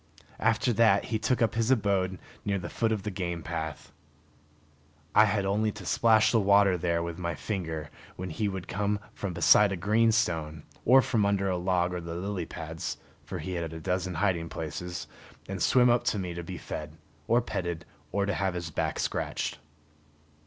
After that he took up his abode near the foot of the game path. I had only to splash the water there with my finger when he would come from beside a green stone, or from under a log or the lily pads for he had a dozen hiding places and swim up to me to be fed, or petted, or to have his back scratched.